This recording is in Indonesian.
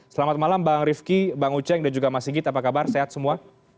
selamat malam bang rifki bang uceng dan juga mas sigit apa kabar sehat semua